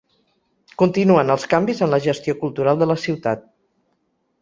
Continuen els canvis en la gestió cultural de la ciutat.